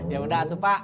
ya udah atuh pak